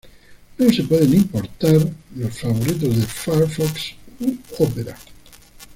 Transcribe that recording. No se pueden importar los favoritos de Firefox u Ópera.